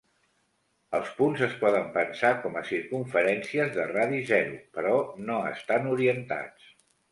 Els punts es poden pensar com a circumferències de radi zero, però no estan orientats.